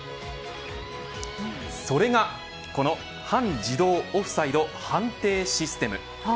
それがこの半自動オフサイド判定システム。